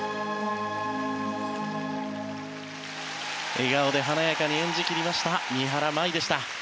笑顔で華やかに演じ切りました三原舞依でした。